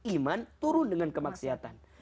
iman turun dengan kemaksiatan